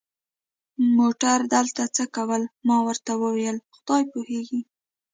موټر دلته څه کول؟ ما ورته وویل: خدای پوهېږي.